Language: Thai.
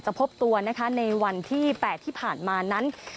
จะพบตัวในวันที่๘ที่ผ่านมานั้น